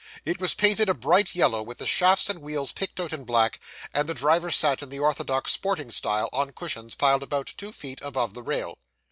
It was painted a bright yellow, with the shafts and wheels picked out in black; and the driver sat in the orthodox sporting style, on cushions piled about two feet above the rail.